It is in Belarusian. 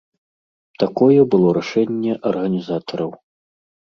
Такое было рашэнне арганізатараў.